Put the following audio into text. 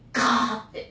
って。